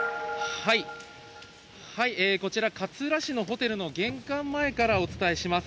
こちら、勝浦市のホテルの玄関前からお伝えします。